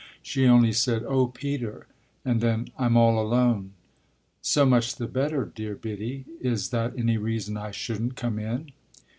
She only said, "Oh Peter!" and then, "I'm all alone." "So much the better, dear Biddy. Is that any reason I shouldn't come in?"